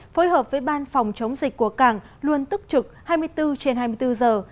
phối hợp với ban phòng chống dịch của cảng luôn tức trực hai mươi bốn trên hai mươi bốn giờ